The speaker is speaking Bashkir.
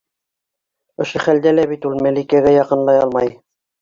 Ошо хәлдә лә бит ул Мәликәгә яҡынлай алмай.